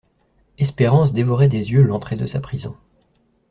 Espérance dévorait des yeux l'entrée de sa prison.